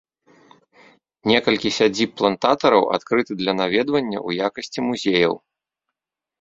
Некалькі сядзіб плантатараў адкрыты для наведвання ў якасці музеяў.